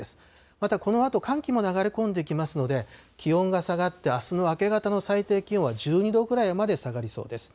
また、このあと寒気も流れ込んできますので、気温が下がってあすの明け方の最低気温は１２度ぐらいまで下がりそうです。